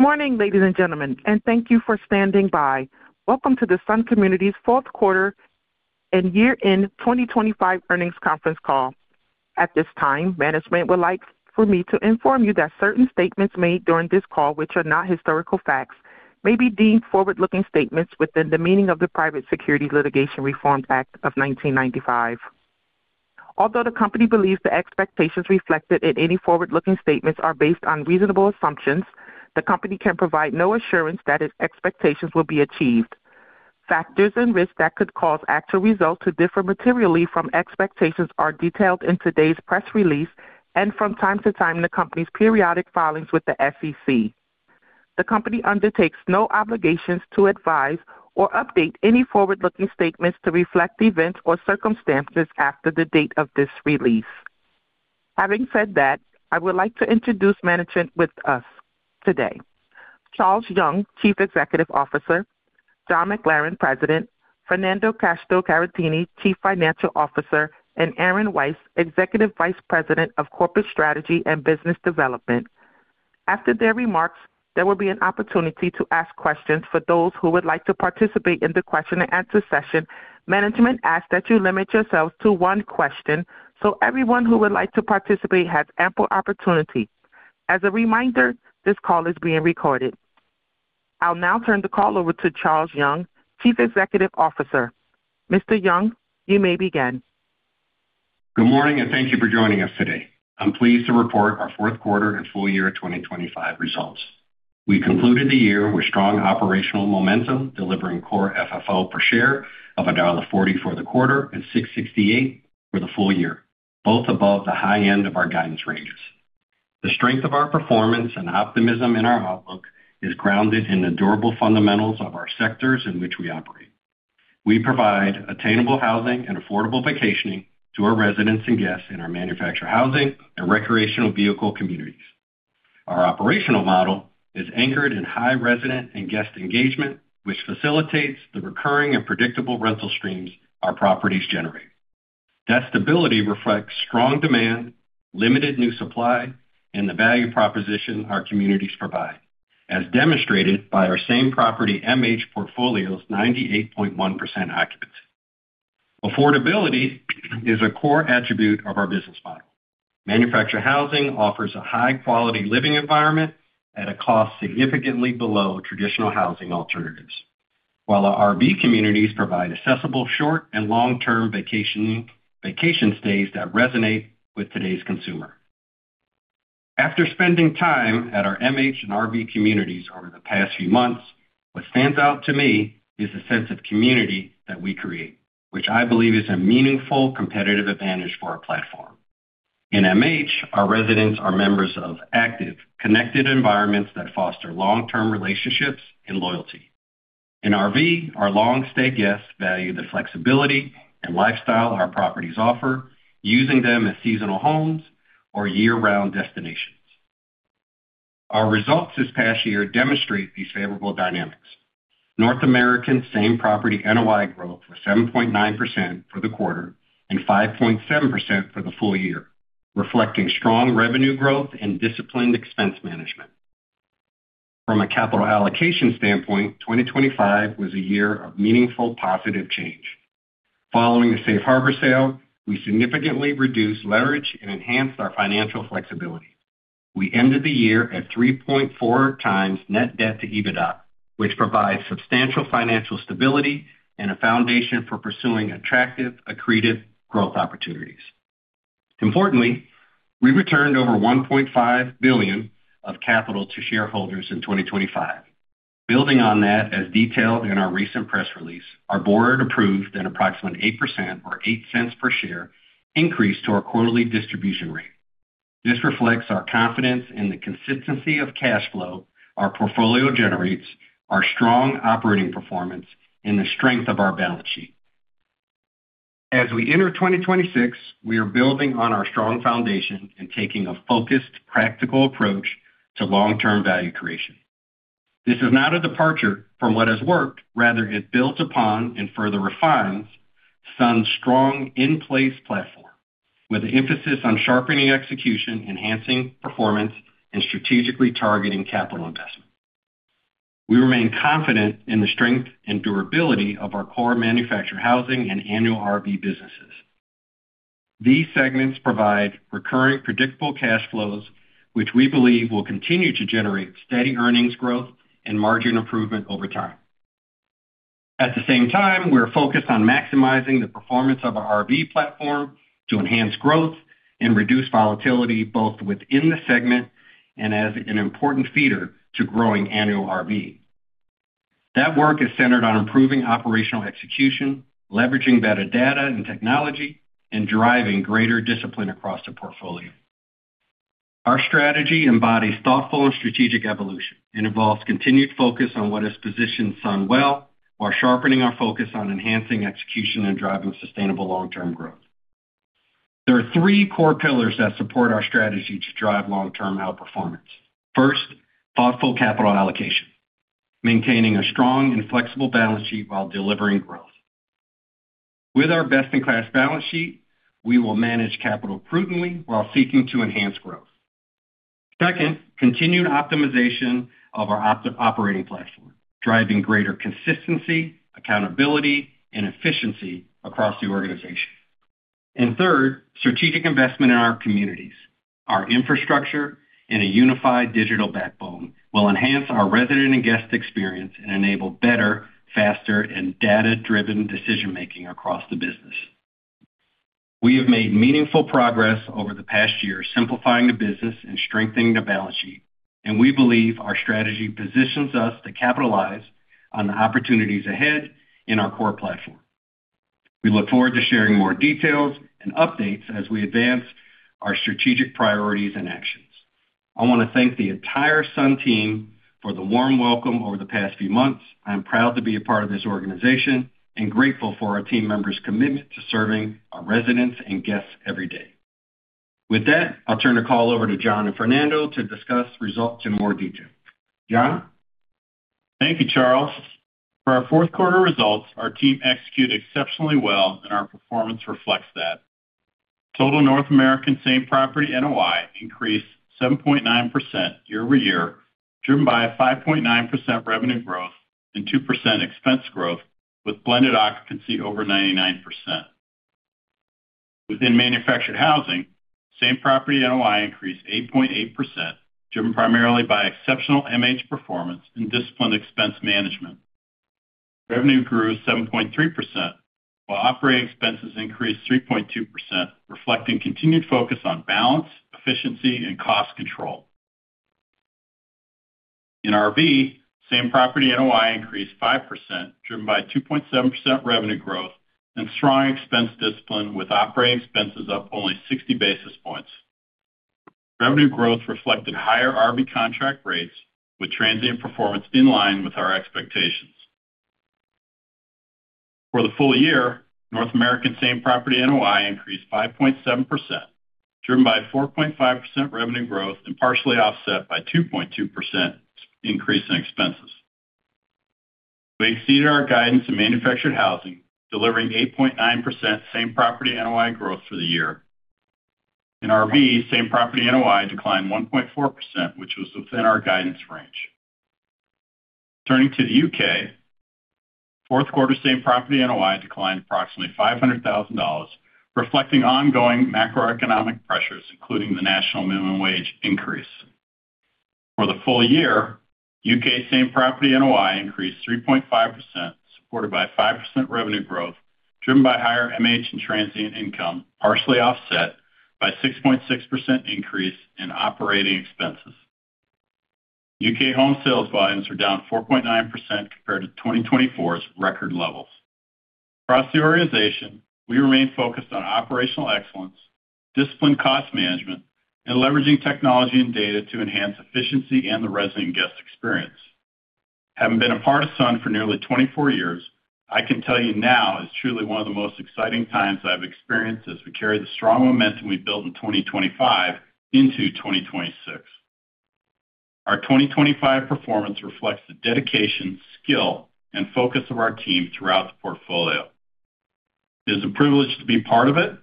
Good morning, ladies and gentlemen, and thank you for standing by. Welcome to the Sun Communities fourth quarter and year-end 2025 earnings conference call. At this time, management would like for me to inform you that certain statements made during this call, which are not historical facts, may be deemed forward-looking statements within the meaning of the Private Securities Litigation Reform Act of 1995. Although the company believes the expectations reflected in any forward-looking statements are based on reasonable assumptions, the company can provide no assurance that its expectations will be achieved. Factors and risks that could cause actual results to differ materially from expectations are detailed in today's press release and from time to time, in the company's periodic filings with the SEC. The company undertakes no obligations to advise or update any forward-looking statements to reflect events or circumstances after the date of this release. Having said that, I would like to introduce management with us today. Charles Young, Chief Executive Officer, John McLaren, President, Fernando Castro-Caratini, Chief Financial Officer, and Aaron Weiss, Executive Vice President of Corporate Strategy and Business Development. After their remarks, there will be an opportunity to ask questions for those who would like to participate in the question-and-answer session. Management asks that you limit yourselves to one question. Everyone who would like to participate has ample opportunity. As a reminder, this call is being recorded. I'll now turn the call over to Charles Young, Chief Executive Officer. Mr. Young, you may begin. Good morning. Thank you for joining us today. I'm pleased to report our fourth quarter and full year 2025 results. We concluded the year with strong operational momentum, delivering core FFO per share of $1.40 for the quarter and $6.68 for the full year, both above the high end of our guidance ranges. The strength of our performance and optimism in our outlook is grounded in the durable fundamentals of our sectors in which we operate. We provide attainable housing and affordable vacationing to our residents and guests in our manufactured housing and recreational vehicle communities. Our operational model is anchored in high resident and guest engagement, which facilitates the recurring and predictable rental streams our properties generate. That stability reflects strong demand, limited new supply, and the value proposition our communities provide, as demonstrated by our same-property MH portfolio's 98.1% occupancy. Affordability is a core attribute of our business model. Manufactured housing offers a high-quality living environment at a cost significantly below traditional housing alternatives, while our RV communities provide accessible, short and long-term vacation stays that resonate with today's consumer. After spending time at our MH and RV communities over the past few months, what stands out to me is the sense of community that we create, which I believe is a meaningful competitive advantage for our platform. In MH, our residents are members of active, connected environments that foster long-term relationships and loyalty. In RV, our long-stay guests value the flexibility and lifestyle our properties offer, using them as seasonal homes or year-round destinations. Our results this past year demonstrate these favorable dynamics. North American same-property NOI growth was 7.9% for the quarter and 5.7% for the full year, reflecting strong revenue growth and disciplined expense management. From a capital allocation standpoint, 2025 was a year of meaningful positive change. Following the Safe Harbor sale, we significantly reduced leverage and enhanced our financial flexibility. We ended the year at 3.4 times net debt to EBITDA, which provides substantial financial stability and a foundation for pursuing attractive, accretive growth opportunities. Importantly, we returned over $1.5 billion of capital to shareholders in 2025. Building on that, as detailed in our recent press release, our board approved an approximately 8% or $0.08 per share increase to our quarterly distribution rate. This reflects our confidence in the consistency of cash flow our portfolio generates, our strong operating performance, and the strength of our balance sheet. As we enter 2026, we are building on our strong foundation and taking a focused, practical approach to long-term value creation. This is not a departure from what has worked, rather it builds upon and further refines Sun's strong in-place platform, with an emphasis on sharpening execution, enhancing performance, and strategically targeting capital investment. We remain confident in the strength and durability of our core manufactured housing and annual RV businesses. These segments provide recurring, predictable cash flows, which we believe will continue to generate steady earnings growth and margin improvement over time. At the same time, we're focused on maximizing the performance of our RV platform to enhance growth and reduce volatility, both within the segment and as an important feeder to growing annual RV. That work is centered on improving operational execution, leveraging better data and technology, and driving greater discipline across the portfolio. Our strategy embodies thoughtful and strategic evolution and involves continued focus on what has positioned Sun well, while sharpening our focus on enhancing execution and driving sustainable long-term growth. There are three core pillars that support our strategy to drive long-term outperformance. First, thoughtful capital allocation, maintaining a strong and flexible balance sheet while delivering growth. With our best-in-class balance sheet, we will manage capital prudently while seeking to enhance growth. Second, continued optimization of our operating platform, driving greater consistency, accountability, and efficiency across the organization. Third, strategic investment in our communities, our infrastructure, and a unified digital backbone will enhance our resident and guest experience and enable better, faster, and data-driven decision-making across the business. We have made meaningful progress over the past year, simplifying the business and strengthening the balance sheet, and we believe our strategy positions us to capitalize on the opportunities ahead in our core platform. We look forward to sharing more details and updates as we advance our strategic priorities and actions. I want to thank the entire Sun team for the warm welcome over the past few months. I'm proud to be a part of this organization, and grateful for our team members' commitment to serving our residents and guests every day. With that, I'll turn the call over to John and Fernando to discuss results in more detail. John? Thank you, Charles. For our fourth quarter results, our team executed exceptionally well, and our performance reflects that. Total North American same-property NOI increased 7.9% year-over-year, driven by a 5.9% revenue growth and 2% expense growth, with blended occupancy over 99%. Within manufactured housing, same-property NOI increased 8.8%, driven primarily by exceptional MH performance and disciplined expense management. Revenue grew 7.3%, while operating expenses increased 3.2%, reflecting continued focus on balance, efficiency, and cost control. In RV, same-property NOI increased 5%, driven by 2.7% revenue growth and strong expense discipline, with operating expenses up only 60 basis points. Revenue growth reflected higher RV contract rates, with transient performance in line with our expectations. For the full year, North American same-property NOI increased 5.7%, driven by 4.5% revenue growth and partially offset by 2.2% increase in expenses. We exceeded our guidance in manufactured housing, delivering 8.9% same-property NOI growth for the year. In RV, same-property NOI declined 1.4%, which was within our guidance range. Turning to the U.K., fourth quarter same-property NOI declined approximately $500,000, reflecting ongoing macroeconomic pressures, including the national minimum wage increase. For the full year, U.K. same-property NOI increased 3.5%, supported by 5% revenue growth, driven by higher MH and transient income, partially offset by 6.6% increase in operating expenses. U.K. home sales volumes are down 4.9% compared to 2024's record levels. Across the organization, we remain focused on operational excellence, disciplined cost management, and leveraging technology and data to enhance efficiency and the resident guest experience. Having been a part of Sun for nearly 24 years, I can tell you now is truly one of the most exciting times I've experienced as we carry the strong momentum we built in 2025 into 2026. Our 2025 performance reflects the dedication, skill, and focus of our team throughout the portfolio. It is a privilege to be part of it,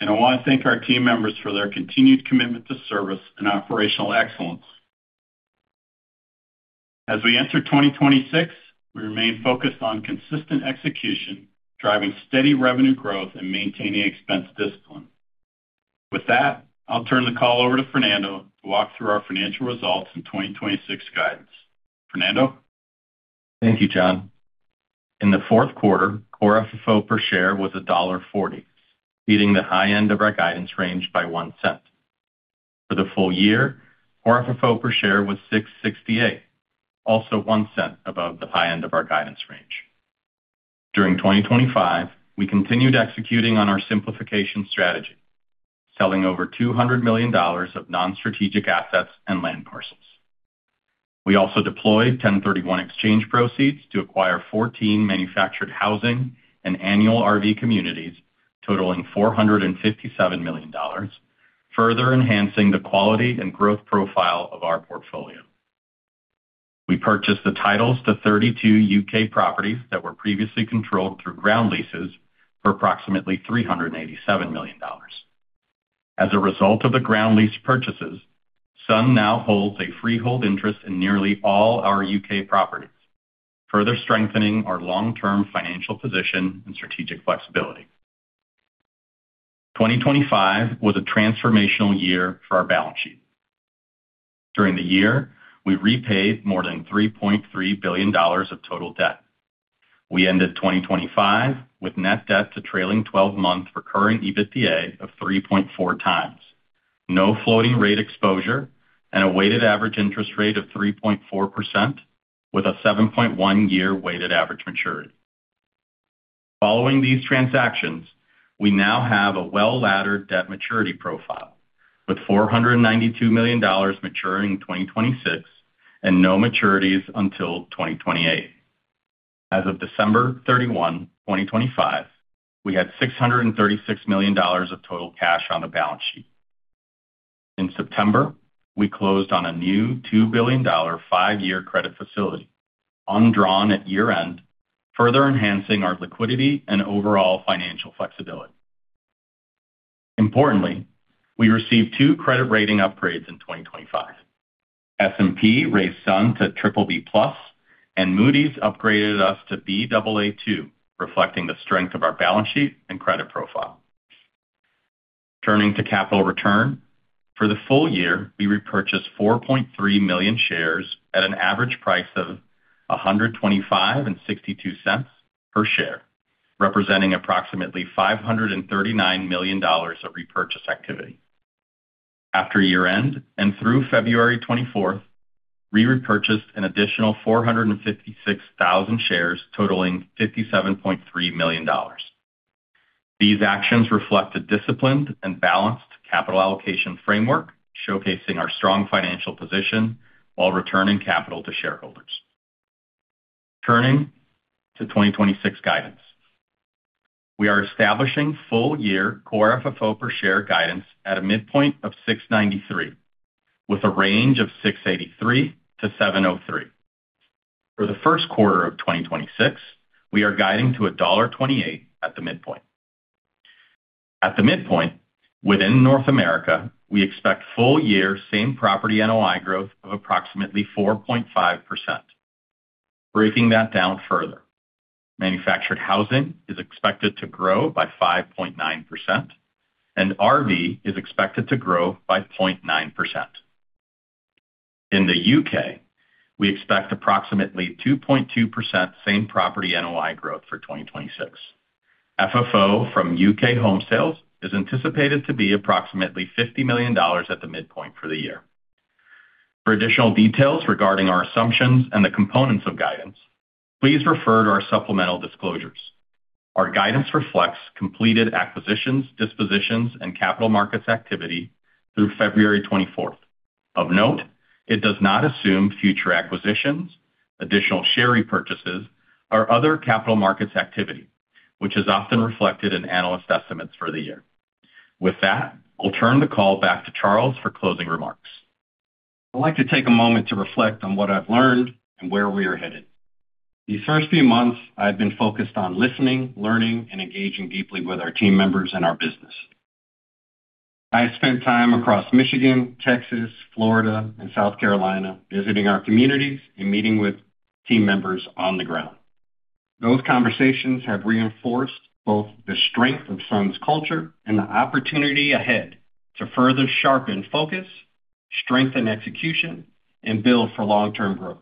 and I want to thank our team members for their continued commitment to service and operational excellence. As we enter 2026, we remain focused on consistent execution, driving steady revenue growth, and maintaining expense discipline. With that, I'll turn the call over to Fernando to walk through our financial results in 2026 guidance. Fernando? Thank you, John. In the fourth quarter, core FFO per share was $1.40, beating the high end of our guidance range by $0.01. For the full year, core FFO per share was $6.68, also $0.01 above the high end of our guidance range. During 2025, we continued executing on our simplification strategy, selling over $200 million of non-strategic assets and land parcels. We also deployed 1031 exchange proceeds to acquire 14 manufactured housing and annual RV communities, totaling $457 million, further enhancing the quality and growth profile of our portfolio. We purchased the titles to 32 U.K. properties that were previously controlled through ground leases for approximately $387 million. As a result of the ground lease purchases, Sun now holds a freehold interest in nearly all our U.K. properties, further strengthening our long-term financial position and strategic flexibility. 2025 was a transformational year for our balance sheet. During the year, we repaid more than $3.3 billion of total debt. We ended 2025 with net debt to trailing 12-month recurring EBITDA of 3.4x, no floating rate exposure, and a weighted average interest rate of 3.4%, with a 7.1 year weighted average maturity. Following these transactions, we now have a well-laddered debt maturity profile, with $492 million maturing in 2026 and no maturities until 2028. As of December 31, 2025, we had $636 million of total cash on the balance sheet. In September, we closed on a new $2 billion, 5-year credit facility, undrawn at year-end, further enhancing our liquidity and overall financial flexibility. Importantly, we received two credit rating upgrades in 2025. S&P raised Sun to BBB+, and Moody's upgraded us to Baa2, reflecting the strength of our balance sheet and credit profile. Turning to capital return. For the full year, we repurchased 4.3 million shares at an average price of $125.62 per share, representing approximately $539 million of repurchase activity. After year-end, and through February 24th, we repurchased an additional 456,000 shares, totaling $57.3 million. These actions reflect a disciplined and balanced capital allocation framework, showcasing our strong financial position while returning capital to shareholders. Turning to 2026 guidance. We are establishing full-year core FFO per share guidance at a midpoint of $6.93, with a range of $6.83-$7.03. For the first quarter of 2026, we are guiding to $1.28 at the midpoint. At the midpoint, within North America, we expect full-year same-property NOI growth of approximately 4.5%. Breaking that down further, manufactured housing is expected to grow by 5.9%, and RV is expected to grow by 0.9%. In the U.K., we expect approximately 2.2% same-property NOI growth for 2026. FFO from U.K. home sales is anticipated to be approximately $50 million at the midpoint for the year. For additional details regarding our assumptions and the components of guidance, please refer to our supplemental disclosures. Our guidance reflects completed acquisitions, dispositions, and capital markets activity through February 24th. Of note, it does not assume future acquisitions, additional share repurchases, or other capital markets activity, which is often reflected in analyst estimates for the year. With that, I'll turn the call back to Charles for closing remarks. I'd like to take a moment to reflect on what I've learned and where we are headed. These first few months, I've been focused on listening, learning, and engaging deeply with our team members and our business. I spent time across Michigan, Texas, Florida, and South Carolina, visiting our communities and meeting with team members on the ground. Those conversations have reinforced both the strength of Sun's culture and the opportunity ahead to further sharpen focus, strengthen execution, and build for long-term growth.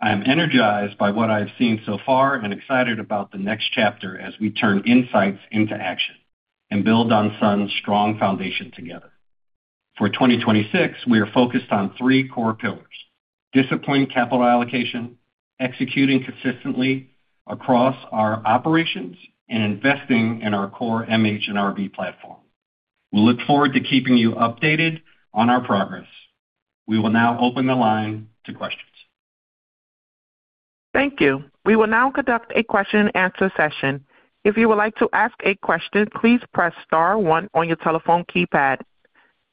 I am energized by what I've seen so far and excited about the next chapter as we turn insights into action and build on Sun's strong foundation together. For 2026, we are focused on three core pillars: disciplined capital allocation, executing consistently across our operations, and investing in our core MH and RV platform. We look forward to keeping you updated on our progress. We will now open the line to questions. Thank you. We will now conduct a question-and-answer session. If you would like to ask a question, please press star one on your telephone keypad.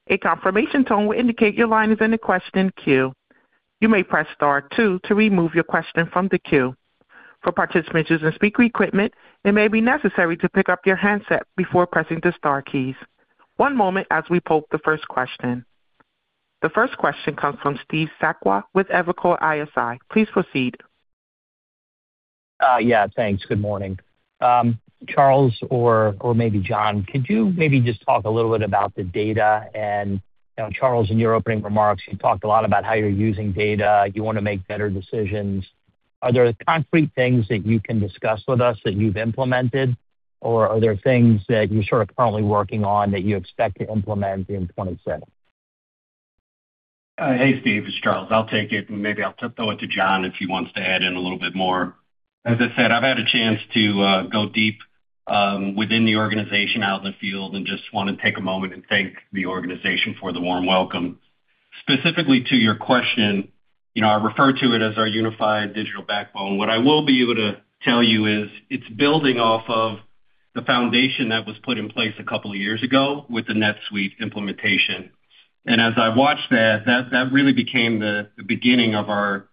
A confirmation tone will indicate your line is in the question queue. You may press star two to remove your question from the queue. For participants using a speaker equipment, it may be necessary to pick up your handset before pressing the star keys. One moment as we poll the first question. The first question comes from Steve Sakwa with Evercore ISI. Please proceed. Yeah, thanks. Good morning. Charles, or maybe John, could you maybe just talk a little bit about the data? You know, Charles, in your opening remarks, you talked a lot about how you're using data. You want to make better decisions. Are there concrete things that you can discuss with us that you've implemented, or are there things that you're sort of currently working on that you expect to implement in 2026? Hey, Steve, it's Charles. I'll take it, and maybe I'll throw it to John if he wants to add in a little bit more. As I said, I've had a chance to go deep within the organization, out in the field, and just want to take a moment and thank the organization for the warm welcome. Specifically to your question, you know, I refer to it as our unified digital backbone. What I will be able to tell you is, it's building off of the foundation that was put in place a couple of years ago with the NetSuite implementation. As I watched that really became the beginning of our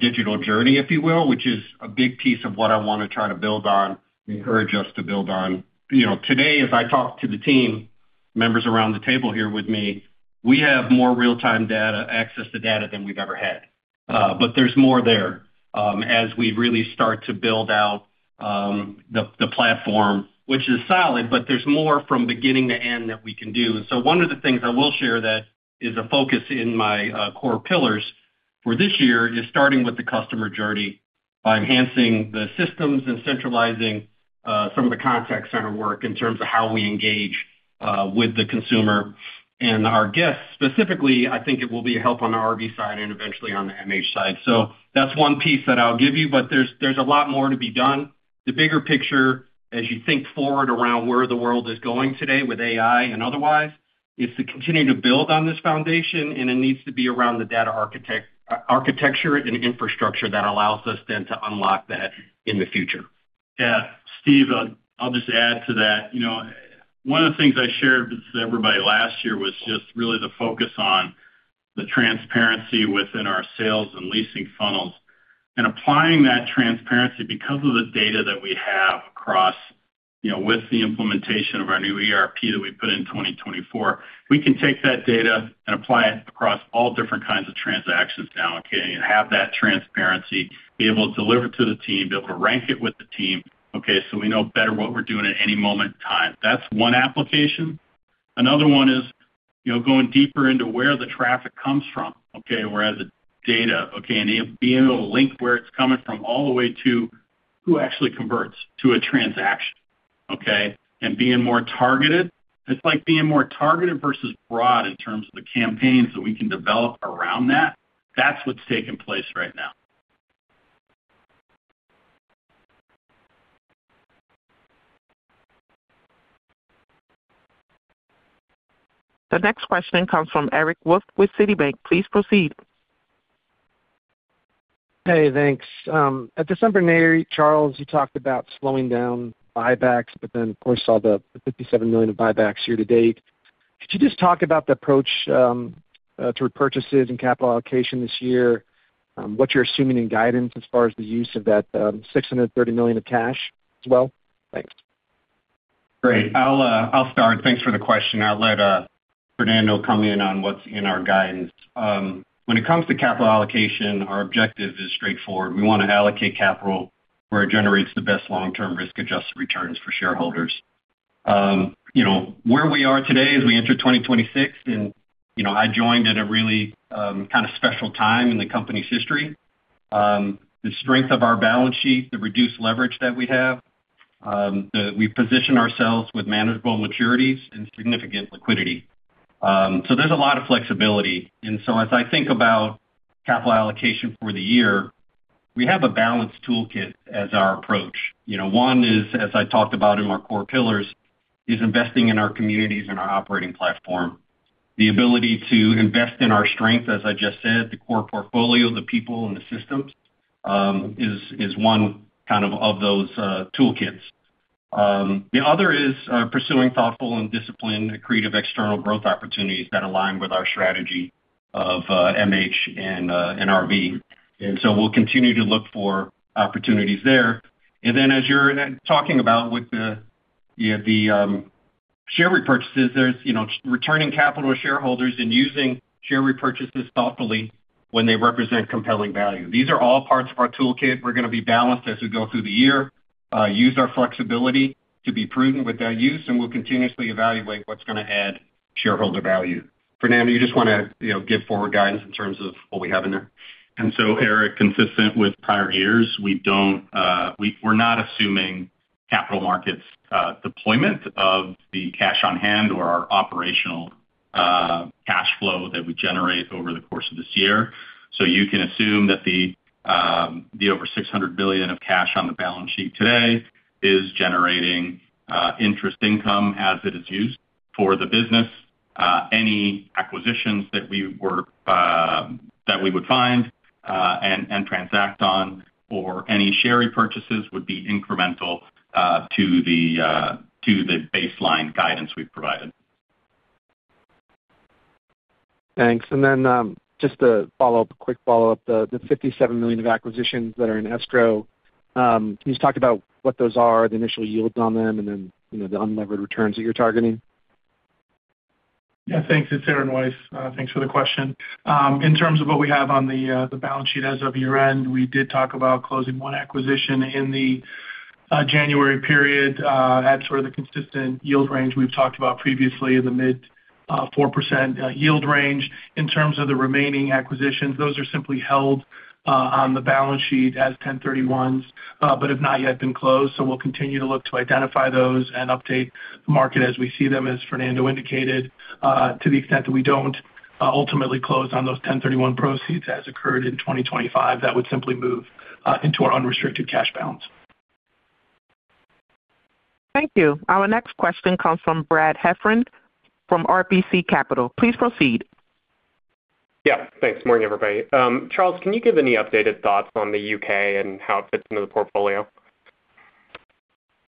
digital journey, if you will, which is a big piece of what I want to try to build on and encourage us to build on. You know, today, as I talk to the team members around the table here with me, we have more real-time data, access to data than we've ever had. But there's more there, as we really start to build out the platform, which is solid, but there's more from beginning to end that we can do. One of the things I will share that is a focus in my core pillars for this year, is starting with the customer journey by enhancing the systems and centralizing some of the contact center work in terms of how we engage with the consumer and our guests. Specifically, I think it will be a help on the RV side and eventually on the MH side. That's one piece that I'll give you, but there's a lot more to be done. The bigger picture, as you think forward around where the world is going today with AI and otherwise, is to continue to build on this foundation. It needs to be around the data architecture and infrastructure that allows us then to unlock that in the future. Yeah, Steve, I'll just add to that. You know, one of the things I shared with everybody last year was just really the focus on the transparency within our sales and leasing funnels, applying that transparency because of the data that we have across, you know, with the implementation of our new ERP that we put in 2024. We can take that data and apply it across all different kinds of transactions now, okay, and have that transparency, be able to deliver it to the team, be able to rank it with the team, okay, so we know better what we're doing at any moment in time. That's one application. Another one is, you know, going deeper into where the traffic comes from, okay, whereas the data, okay, and being able to link where it's coming from all the way to who actually converts to a transaction, okay? Being more targeted. It's like being more targeted versus broad in terms of the campaigns that we can develop around that. That's what's taking place right now. The next question comes from Eric Wolfe with Citigroup. Please proceed. Hey, thanks. At December, Charles, you talked about slowing down buybacks, of course, saw the $57 million of buybacks year to date. Could you just talk about the approach to repurchases and capital allocation this year, what you're assuming in guidance as far as the use of that $630 million of cash as well? Thanks. Great. I'll start. Thanks for the question. I'll let Fernando come in on what's in our guidance. When it comes to capital allocation, our objective is straightforward. We want to allocate capital where it generates the best long-term risk-adjusted returns for shareholders. You know, where we are today, as we enter 2026, and, you know, I joined at a really kind of special time in the company's history. The strength of our balance sheet, the reduced leverage that we have, we position ourselves with manageable maturities and significant liquidity. There's a lot of flexibility. As I think about capital allocation for the year, we have a balanced toolkit as our approach. You know, one is, as I talked about in our core pillars, is investing in our communities and our operating platform. The ability to invest in our strength, as I just said, the core portfolio, the people and the systems, is one kind of those toolkits. The other is pursuing thoughtful and disciplined, creative, external growth opportunities that align with our strategy of MH and RV. We'll continue to look for opportunities there. As you're talking about with the share repurchases, there's, you know, returning capital to shareholders and using share repurchases thoughtfully when they represent compelling value. These are all parts of our toolkit. We're going to be balanced as we go through the year, use our flexibility to be prudent with our use, and we'll continuously evaluate what's going to add shareholder value. Fernando, you just want to, you know, give forward guidance in terms of what we have in there? Eric, consistent with prior years, we don't, we're not assuming capital markets deployment of the cash on hand or our operational cash flow that we generate over the course of this year. You can assume that the over $600 billion of cash on the balance sheet today is generating interest income as it is used for the business. Any acquisitions that we were that we would find and transact on, or any share repurchases would be incremental to the to the baseline guidance we've provided. Thanks. Just a follow-up, a quick follow-up. The $57 million of acquisitions that are in escrow, can you just talk about what those are, the initial yields on them, and then, you know, the unlevered returns that you're targeting? Yeah, thanks. It's Aaron Weiss. Thanks for the question. In terms of what we have on the balance sheet as of year-end, we did talk about closing one acquisition in the January period, at sort of the consistent yield range we've talked about previously, in the mid, 4%, yield range. In terms of the remaining acquisitions, those are simply held on the balance sheet as 1031 exchange, but have not yet been closed. We'll continue to look to identify those and update the market as we see them, as Fernando indicated. To the extent that we don't ultimately close on those 1031 proceeds, as occurred in 2025, that would simply move into our unrestricted cash balance. Thank you. Our next question comes from Brad Heffern from RBC Capital. Please proceed. Yeah, thanks. Morning, everybody. Charles, can you give any updated thoughts on the U.K. and how it fits into the portfolio?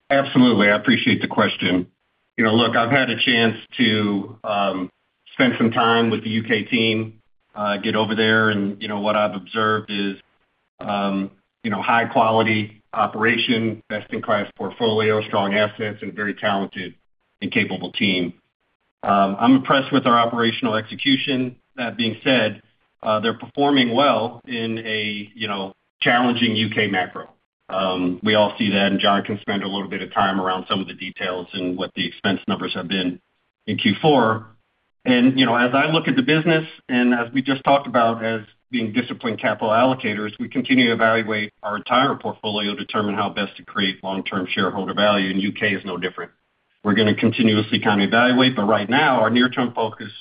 Absolutely. I appreciate the question. You know, look, I've had a chance to spend some time with the U.K. team, get over there, and, you know, what I've observed is, you know, high-quality operation, best-in-class portfolio, strong assets, and a very talented and capable team. I'm impressed with our operational execution. That being said, they're performing well in a, you know, challenging U.K. macro. We all see that, and John can spend a little bit of time around some of the details and what the expense numbers have been in Q4. You know, as I look at the business and as we just talked about, as being disciplined capital allocators, we continue to evaluate our entire portfolio to determine how best to create long-term shareholder value, and U.K. is no different. We're going to continuously kind of evaluate, but right now, our near-term focus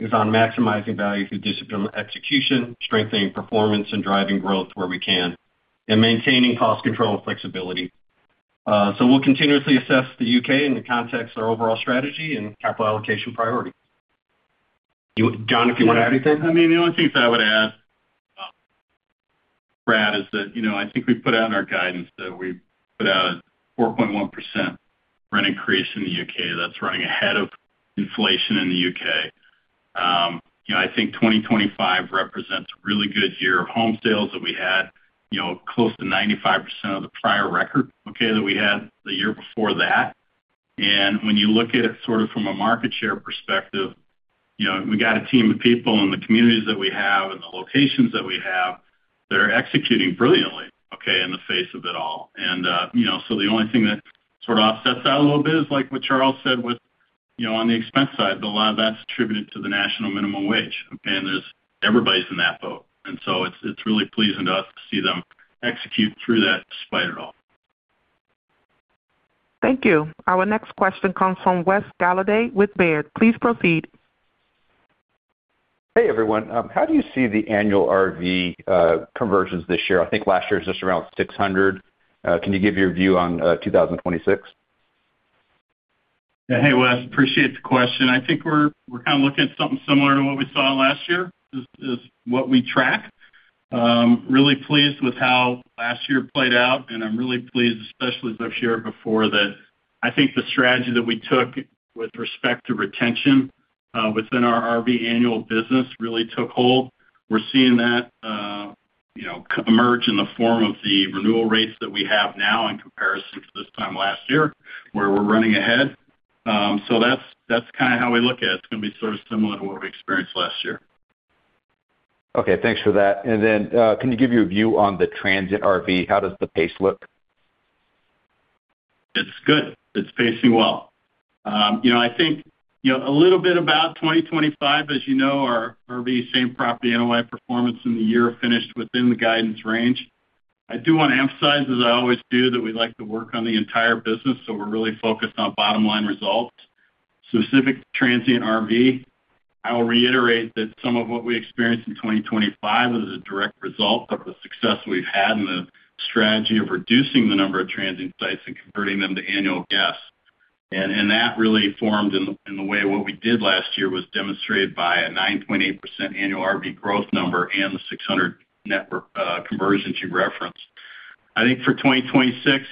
is on maximizing value through disciplined execution, strengthening performance, and driving growth where we can, and maintaining cost control and flexibility. We'll continuously assess the U.K. in the context of our overall strategy and capital allocation priority. John, if you want to add anything? I mean, the only things I would add, Brad, is that, you know, I think we put out in our guidance that we put out a 4.1% rent increase in the U.K. That's running ahead of inflation in the U.K. You know, I think 2025 represents a really good year of home sales that we had, you know, close to 95% of the prior record, okay, that we had the year before that. When you look at it sort of from a market share perspective, you know, we got a team of people in the communities that we have and the locations that we have, they're executing brilliantly, okay, in the face of it all. You know, the only thing that sort of offsets that a little bit is like what Charles said, with, you know, on the expense side, a lot of that's attributed to the national minimum wage, okay? Everybody's in that boat. So it's really pleasing to us to see them execute through that despite it all. Thank you. Our next question comes from Wesley Golladay with Baird. Please proceed. Hey, everyone. How do you see the annual RV conversions this year? I think last year was just around 600. Can you give your view on 2026? Hey, Wes, appreciate the question. I think we're kind of looking at something similar to what we saw last year, is what we track. Really pleased with how last year played out, and I'm really pleased, especially as I've shared before, that I think the strategy that we took with respect to retention within our RV annual business really took hold. We're seeing that, you know, emerge in the form of the renewal rates that we have now in comparison to this time last year, where we're running ahead. That's kind of how we look at it. It's going to be sort of similar to what we experienced last year. Okay, thanks for that. Can you give your view on the transient RV? How does the pace look? It's good. It's pacing well. You know, I think, you know, a little bit about 2025, as you know, our RV same-property NOI performance in the year finished within the guidance range. I do want to emphasize, as I always do, that we like to work on the entire business, so we're really focused on bottom-line results. Specific transient RV, I will reiterate that some of what we experienced in 2025 is a direct result of the success we've had and the strategy of reducing the number of transient sites and converting them to annual guests. That really formed in the, in the way what we did last year was demonstrated by a 9.8% annual RV growth number and the 600 network conversion to reference. I think for 2026,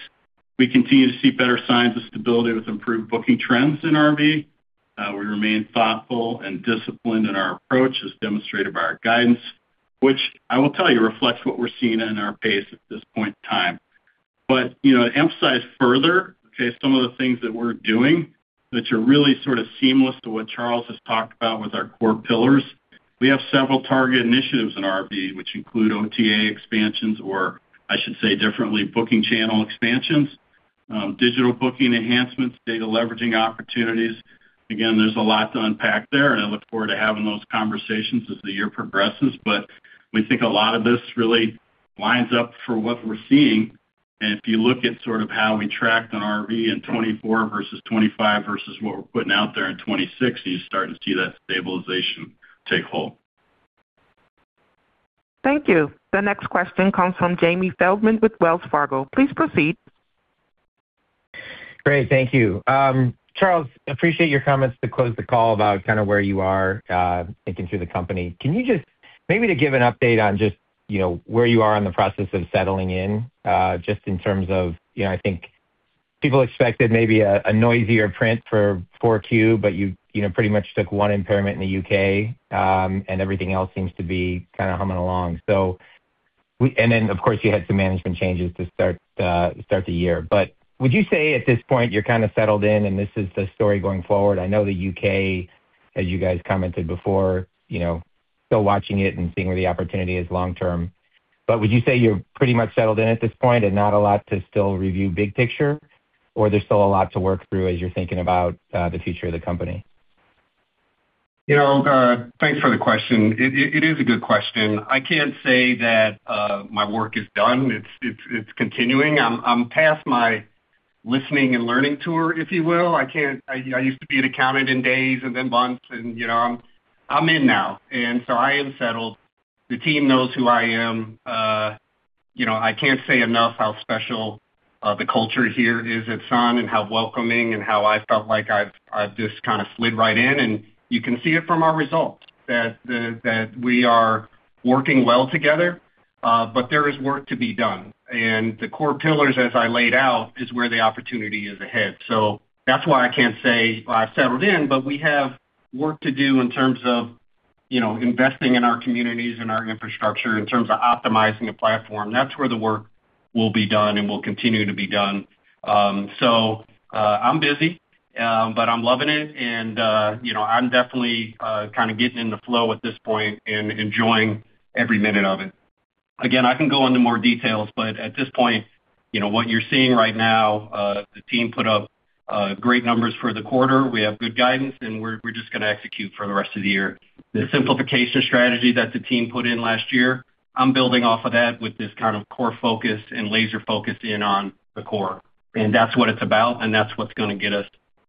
we continue to see better signs of stability with improved booking trends in RV. We remain thoughtful and disciplined in our approach, as demonstrated by our guidance, which I will tell you, reflects what we're seeing in our pace at this point in time. You know, to emphasize further, okay, some of the things that we're doing that you're really sort of seamless to what Charles has talked about with our core pillars. We have several target initiatives in RV, which include OTA expansions, or I should say differently, booking channel expansions, digital booking enhancements, data leveraging opportunities. Again, there's a lot to unpack there, and I look forward to having those conversations as the year progresses. We think a lot of this really lines up for what we're seeing. If you look at sort of how we tracked on RV in 2024 versus 2025 versus what we're putting out there in 2060, you're starting to see that stabilization take hold. Thank you. The next question comes from Jamie Feldman with Wells Fargo. Please proceed. Great. Thank you. Charles, appreciate your comments to close the call about kind of where you are, thinking through the company. Can you just maybe to give an update on just, you know, where you are in the process of settling in, just in terms of, you know, I think people expected maybe a noisier print for 4Q, but you know, pretty much took one impairment in the U.K., and everything else seems to be kind of humming along. And then, of course, you had some management changes to start the year. Would you say at this point, you're kind of settled in, and this is the story going forward? I know the U.K., as you guys commented before, you know, still watching it and seeing where the opportunity is long term. Would you say you're pretty much settled in at this point and not a lot to still review big picture, or there's still a lot to work through as you're thinking about the future of the company? You know, thanks for the question. It is a good question. I can't say that my work is done. It's continuing. I'm past my listening and learning tour, if you will. I used to be an accountant in days and then months, and, you know, I'm in now. I am settled. The team knows who I am. You know, I can't say enough how special the culture here is at Sun and how welcoming and how I felt like I've just kind of slid right in, and you can see it from our results, that we are working well together, but there is work to be done. The core pillars, as I laid out, is where the opportunity is ahead. That's why I can't say I've settled in, but we have work to do in terms of, you know, investing in our communities and our infrastructure, in terms of optimizing the platform. That's where the work will be done and will continue to be done. I'm busy, but I'm loving it, and, you know, I'm definitely kind of getting in the flow at this point and enjoying every minute of it. Again, I can go into more details, but at this point, you know, what you're seeing right now, the team put up great numbers for the quarter. We have good guidance, and we're just going to execute for the rest of the year. The simplification strategy that the team put in last year, I'm building off of that with this kind of core focus and laser focus in on the core. That's what it's about, and that's what's going to get us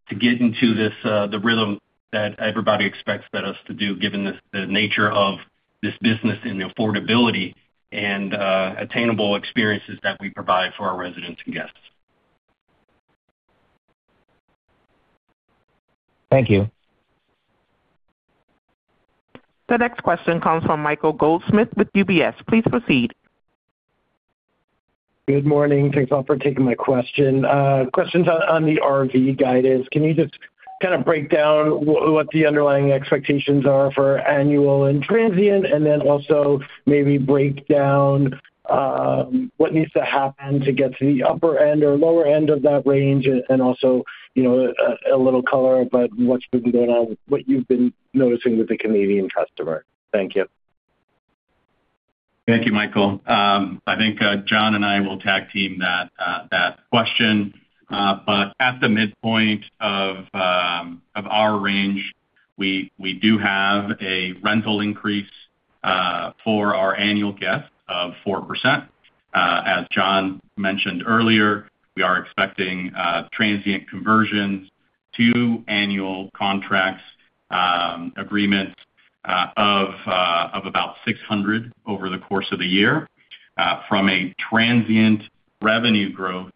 to get into this, the rhythm that everybody expects us to do, given the nature of this business and the affordability and attainable experiences that we provide for our residents and guests. Thank you. The next question comes from Michael Goldsmith with UBS. Please proceed. Good morning. Thanks all for taking my question. Questions on the RV guidance. Can you just kind of break down what the underlying expectations are for annual and transient, and then also maybe break down what needs to happen to get to the upper end or lower end of that range, and also, you know, a little color about what's been going on, what you've been noticing with the Canadian customer? Thank you. Thank you, Michael. I think John and I will tag team that question. At the midpoint of our range, we do have a rental increase for our annual guests of 4%. As John mentioned earlier, we are expecting transient conversions to annual contracts, agreements, of about 600 over the course of the year. From a transient revenue growth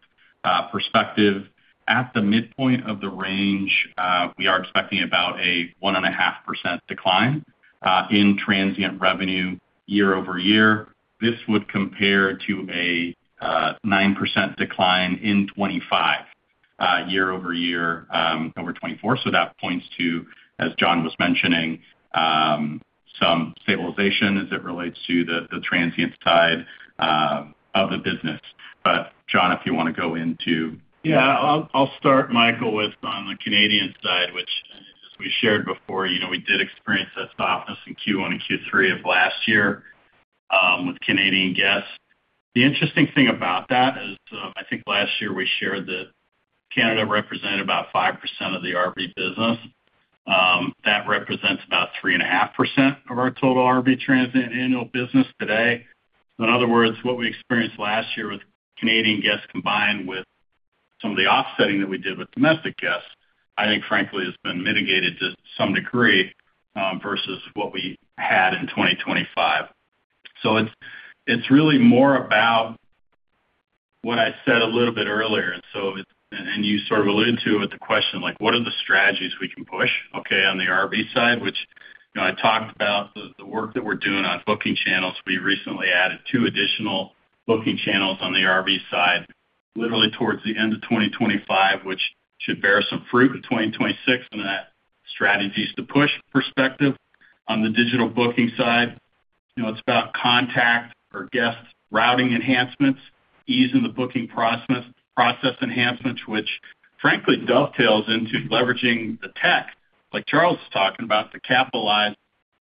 perspective, at the midpoint of the range, we are expecting about a 1.5% decline in transient revenue year-over-year. This would compare to a 9% decline in 2025 year-over-year over 2024. That points to, as John was mentioning, some stabilization as it relates to the transient side of the business. John, if you wanna go into... Yeah, I'll start, Michael, with on the Canadian side, which as we shared before, you know, we did experience that softness in Q1 and Q3 of last year with Canadian guests. The interesting thing about that is, I think last year we shared that Canada represented about 5% of the RV business. That represents about 3.5% of our total RV transient annual business today. In other words, what we experienced last year with Canadian guests, combined with some of the offsetting that we did with domestic guests, I think, frankly, has been mitigated to some degree versus what we had in 2025. It's really more about what I said a little bit earlier. You sort of alluded to it with the question, like, what are the strategies we can push, okay, on the RV side, which, you know, I talked about the work that we're doing on booking channels. We recently added two additional booking channels on the RV side, literally towards the end of 2025, which should bear some fruit in 2026 from that strategies to push perspective. On the digital booking side, you know, it's about contact or guest routing enhancements, easing the booking process enhancements, which frankly dovetails into leveraging the tech, like Charles was talking about, to capitalize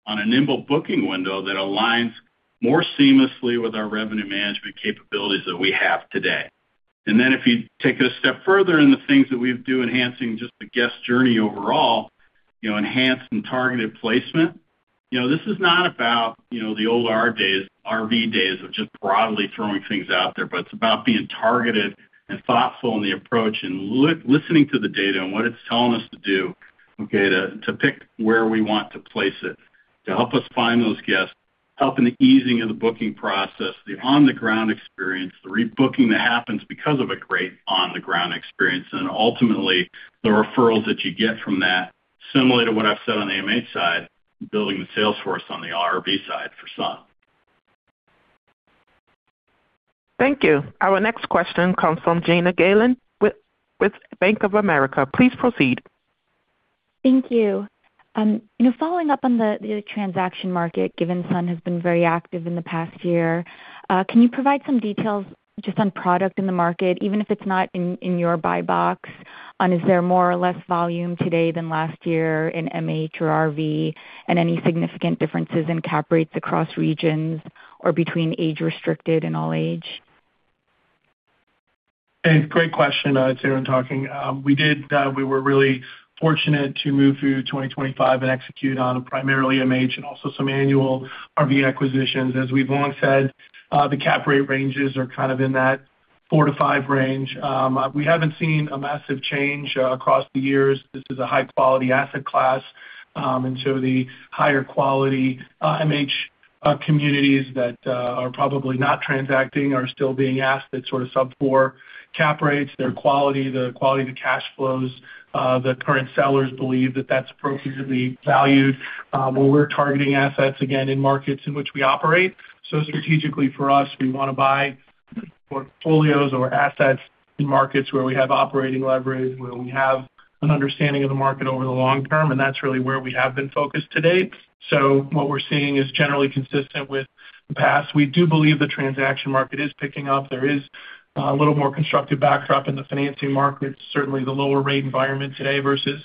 on a nimble booking window that aligns more seamlessly with our revenue management capabilities that we have today. If you take it a step further in the things that we do, enhancing just the guest journey overall, you know, enhancing targeted placement. You know, this is not about, you know, the old RV days of just broadly throwing things out there, but it's about being targeted and thoughtful in the approach and listening to the data and what it's telling us to do, to pick where we want to place it, to help us find those guests, helping the easing of the booking process, the on-the-ground experience, the rebooking that happens because of a great on-the-ground experience, and ultimately, the referrals that you get from that. Similar to what I've said on the MH side, building the sales force on the RV side for Sun. Thank you. Our next question comes from Jana Galan with Bank of America. Please proceed. Thank you. You know, following up on the transaction market, given Sun has been very active in the past year, can you provide some details just on product in the market, even if it's not in your buy box? Is there more or less volume today than last year in MH or RV, and any significant differences in cap rates across regions or between age-restricted and all age? Hey, great question. It's Aaron talking. We did, we were really fortunate to move through 2025 and execute on primarily MH and also some annual RV acquisitions. As we've long said, the cap rate ranges are kind of in that 4%-5% range. We haven't seen a massive change across the years. This is a high-quality asset class, and so the higher quality MH communities that are probably not transacting are still being asked at sort of sub 4% cap rates. Their quality, the quality of the cash flows, the current sellers believe that that's appropriately valued. When we're targeting assets, again, in markets in which we operate, strategically for us, we wanna buy portfolios or assets in markets where we have operating leverage, where we have an understanding of the market over the long term, and that's really where we have been focused to date. What we're seeing is generally consistent with the past. We do believe the transaction market is picking up. There is a little more constructive backdrop in the financing market. Certainly, the lower rate environment today versus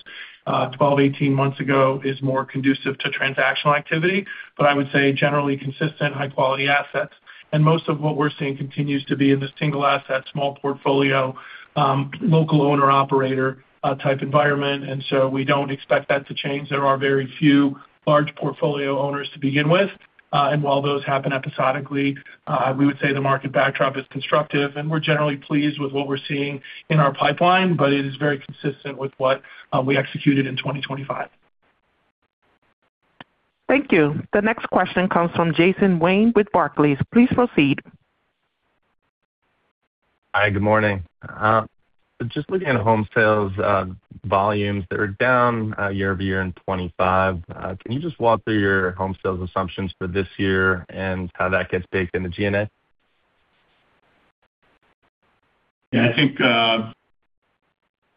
12, 18 months ago is more conducive to transactional activity, but I would say generally consistent, high-quality assets. Most of what we're seeing continues to be in the single asset, small portfolio, local owner/operator type environment, and so we don't expect that to change. There are very few large portfolio owners to begin with, and while those happen episodically, we would say the market backdrop is constructive, and we're generally pleased with what we're seeing in our pipeline, but it is very consistent with what we executed in 2025. Thank you. The next question comes from Jason Wayne with Barclays. Please proceed. Hi, good morning. Just looking at home sales, volumes that are down, year-over-year in 2025. Can you just walk through your home sales assumptions for this year and how that gets baked into G&A? I think,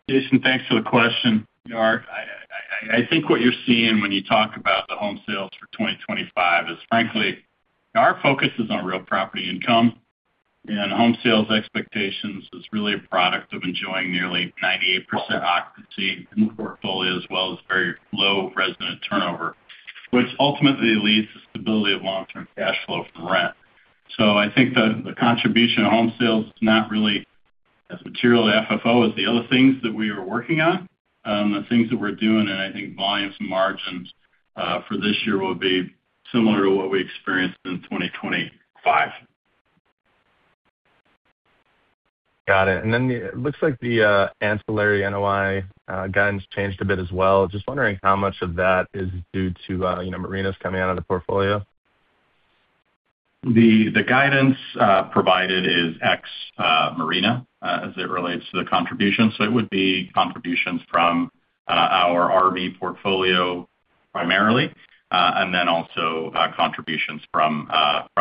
Jason thanks for the question. I think what you're seeing when you talk about the home sales for 2025 is frankly, our focus is on real property income, and home sales expectations is really a product of enjoying nearly 98% occupancy in the portfolio, as well as very low resident turnover, which ultimately leads to stability of long-term cash flow from rent. I think the contribution of home sales is not really as material to FFO as the other things that we are working on, the things that we're doing, and I think volumes and margins for this year will be similar to what we experienced in 2025. Got it. Then it looks like the ancillary NOI guidance changed a bit as well. Just wondering how much of that is due to, you know, marinas coming out of the portfolio? The guidance provided is ex marina as it relates to the contribution. It would be contributions from our RV portfolio primarily and then also contributions from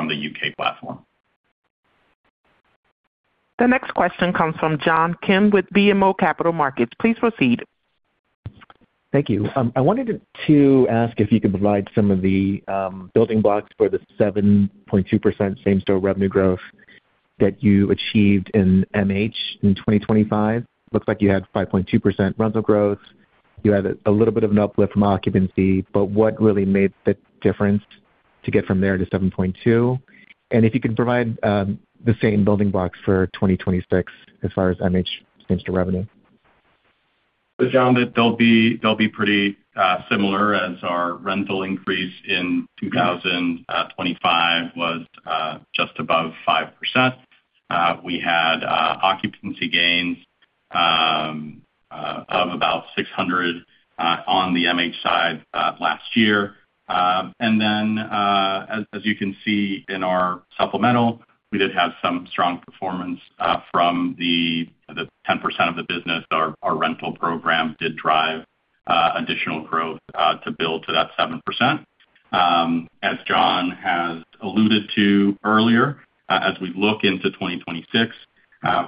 the U.K. platform. The next question comes from John Kim with BMO Capital Markets. Please proceed. Thank you. I wanted to ask if you could provide some of the building blocks for the 7.2% same-store revenue growth that you achieved in MH in 2025. Looks like you had 5.2% rental growth. You had a little bit of an uplift from occupancy, but what really made the difference to get from there to 7.2%? If you could provide the same building blocks for 2026 as far as MH same-store revenue. John, they'll be pretty similar as our rental increase in 2025 was just above 5%. We had occupancy gains of about 600 on the MH side last year. As you can see in our supplemental, we did have some strong performance from the 10% of the business. Our rental program did drive additional growth to build to that 7%. As John has alluded to earlier, as we look into 2026,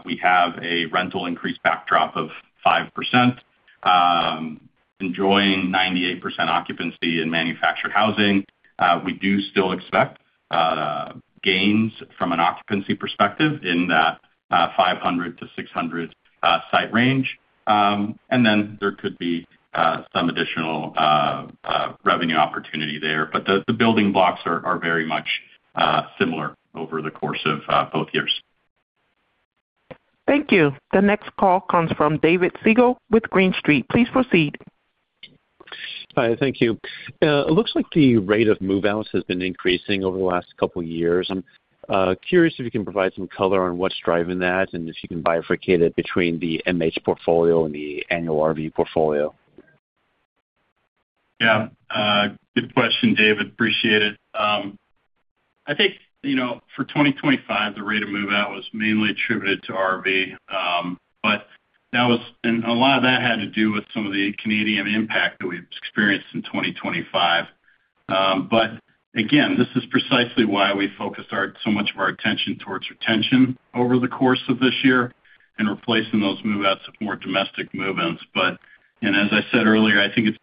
we have a rental increase backdrop of 5%, enjoying 98% occupancy in manufactured housing. We do still expect gains from an occupancy perspective in that 500-600 site range. There could be some additional revenue opportunity there. The building blocks are very much similar over the course of both years. Thank you. The next call comes from David Siegel with Green Street. Please proceed. Hi, thank you. It looks like the rate of move-outs has been increasing over the last couple of years. I'm curious if you can provide some color on what's driving that, and if you can bifurcate it between the MH portfolio and the annual RV portfolio Good question, David. Appreciate it. I think, you know, for 2025, the rate of move-out was mainly attributed to RV. A lot of that had to do with some of the Canadian impact that we've experienced in 2025. Again, this is precisely why we focused our, so much of our attention towards retention over the course of this year and replacing those move-outs with more domestic move-ins. As I said earlier, I think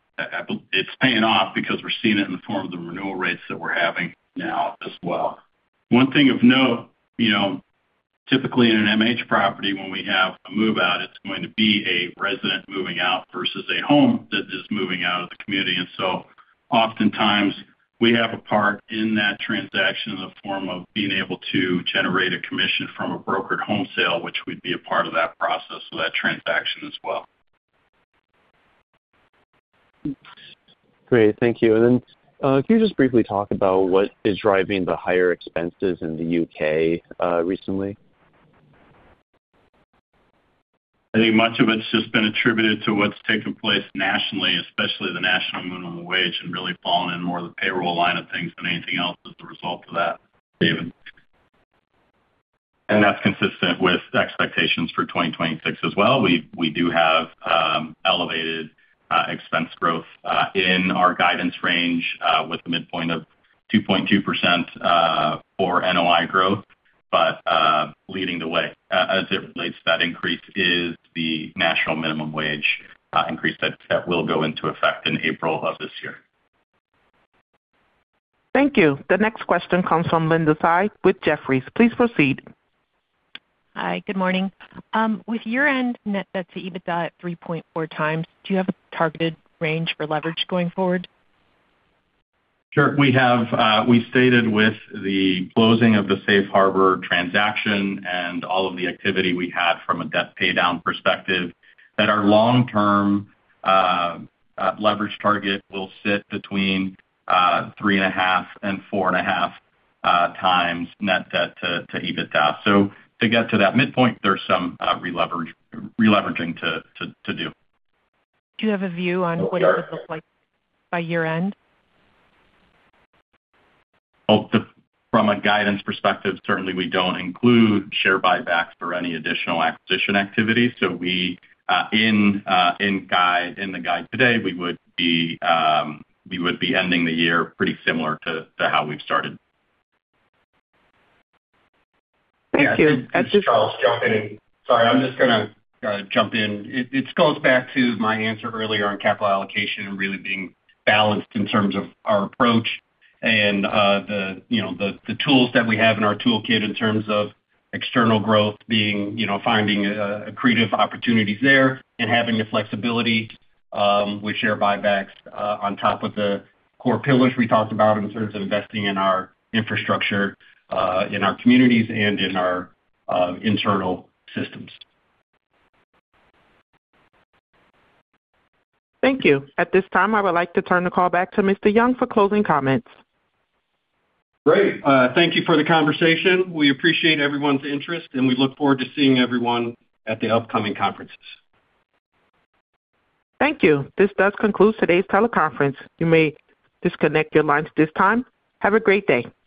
it's paying off because we're seeing it in the form of the renewal rates that we're having now as well. One thing of note, you know, typically in an MH property, when we have a move-out, it's going to be a resident moving out versus a home that is moving out of the community. Oftentimes we have a part in that transaction in the form of being able to generate a commission from a brokered home sale, which would be a part of that process, so that transaction as well. Great. Thank you. Can you just briefly talk about what is driving the higher expenses in the U.K., recently? I think much of it's just been attributed to what's taken place nationally, especially the national minimum wage, and really fallen in more the payroll line of things than anything else as a result of that, David. That's consistent with expectations for 2026 as well. We do have elevated expense growth in our guidance range with a midpoint of 2.2% for NOI growth. Leading the way as it relates to that increase is the national minimum wage increase that will go into effect in April of this year. Thank you. The next question comes from Linda Tsai with Jefferies. Please proceed. Hi, good morning. With your net debt-to-EBITDA at 3.4 times, do you have a targeted range for leverage going forward? Sure. We have, we stated with the closing of the Safe Harbor transaction and all of the activity we had from a debt paydown perspective, that our long-term leverage target will sit between 3.5 and 4.5 times net debt to EBITDA. To get to that midpoint, there's some releveraging to do. Do you have a view on what it would look like by year-end? From a guidance perspective, certainly we don't include share buybacks for any additional acquisition activity. We, in the guide today, we would be ending the year pretty similar to how we've started. Thank you. Charles, jump in. Sorry, I'm just gonna jump in. It goes back to my answer earlier on capital allocation and really being balanced in terms of our approach and, you know, the tools that we have in our toolkit in terms of external growth being, you know, finding creative opportunities there and having the flexibility with share buybacks on top of the core pillars we talked about in terms of investing in our infrastructure, in our communities and in our internal systems. Thank you. At this time, I would like to turn the call back to Mr. Young for closing comments. Great. Thank you for the conversation. We appreciate everyone's interest. We look forward to seeing everyone at the upcoming conferences. Thank you. This does conclude today's teleconference. You may disconnect your lines at this time. Have a great day. Good bye.